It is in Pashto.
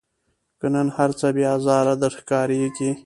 که نن هرڅه بې آزاره در ښکاریږي